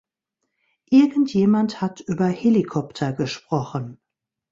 Irgendjemand hat über Helikopter gesprochen.